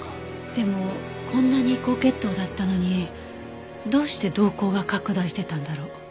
でもこんなに高血糖だったのにどうして瞳孔が拡大してたんだろう。